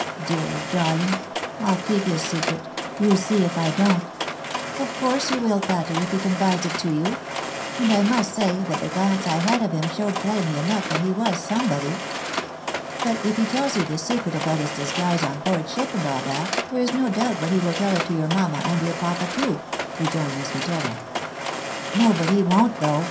Dear darling ! I'll keep his secret, you see if I don't." " Of course you will, Patty, if he confides it to you. And I must say, that the glance I liad of him showed plainly enough that he was somebody. But if he tells you the secret about his disguise on board ship, and all that, there is no doubt but he will tell it to your mamma and your papa too," rejoined Miss Matilda. " No, but he won't though